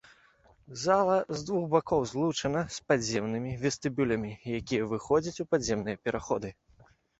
Зала з двух бакоў злучана з падземнымі вестыбюлямі, якія выходзяць ў падземныя пераходы.